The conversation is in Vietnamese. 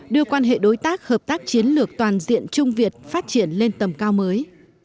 đưa quan hệ đối tác hợp tác chiến lược toàn diện trung việt phát triển lên tầm cao mới